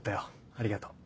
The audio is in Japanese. ありがとう。